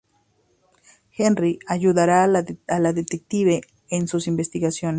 Henry ayudará a la detective en sus investigaciones.